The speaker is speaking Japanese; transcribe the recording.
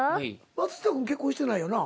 松下君結婚してないよな？